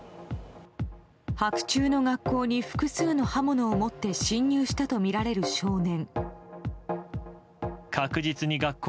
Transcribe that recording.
白昼の学校に複数の刃物を持って侵入したとみられる少年。